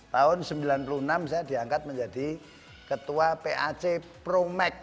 tahun sembilan puluh enam saya diangkat menjadi ketua pac promeg